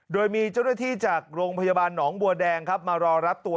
โดยมีเจ้าหน้าที่จากโรงพยาบาลหนองบัวแดงครับมารอรับตัว